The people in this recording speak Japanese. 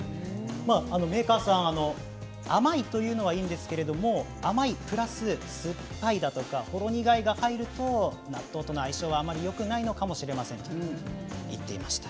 メーカーさん甘いというのはいいんですけど甘いプラス酸っぱいとかほろ苦いが入ると納豆との相性はあまりよくないのかもしれませんと言っていました。